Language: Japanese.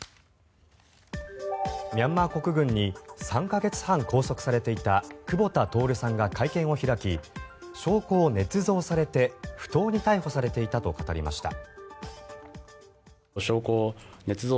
ミャンマー国軍に３か月半拘束されていた久保田徹さんが会見を開き証拠をねつ造されて不当に逮捕されていたと語りました。